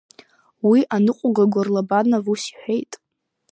Уи арныҟәаҩ Горлобанов ус иҳәоит…